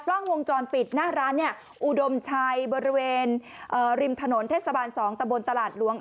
กล้องวงจรปิดหน้าร้านเนี่ยอุดมชัยบริเวณริมถนนเทศบาล๒ตะบนตลาดหลวง